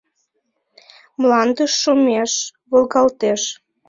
Мландыш шумеш волгалтеш.